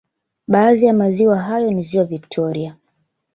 Baadhi ya maziwa hayo ni ziwa Victoria